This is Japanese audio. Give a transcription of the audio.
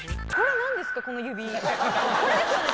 これですよね？